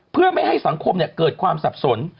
เพื่อไม่ให้สังคมเกิดความสับสน